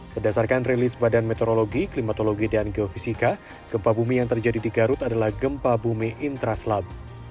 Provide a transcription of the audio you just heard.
berdasarkan rilis badan meteorologi klimatologi dan geofisika gempa bumi yang terjadi di garut adalah gempa bumi intraslab